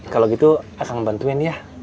kalau gitu akan membantuin ya